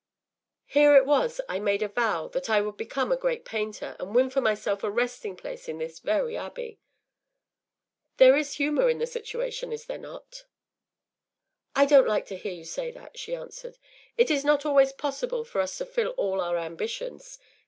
Here it was I made a vow that I would become a great painter, and win for myself a resting place in this very abbey. There is humour in the situation, is there not?” “I don’t like to hear you say that,” she answered. “It is not always possible for us to fulfil all our ambitions.